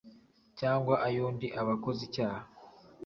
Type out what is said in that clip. cyangwa ay undi aba akoze icyaha